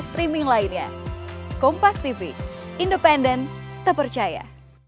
streaming lainnya kompas tv independen terpercaya